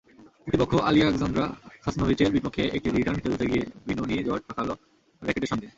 প্রতিপক্ষ আলিয়াক্সান্দ্রা সাসনোভিচের বিপক্ষে একটি রিটার্ন খেলতে গিয়ে বিনুনিজট পাকাল র্যাকেটের সঙ্গে।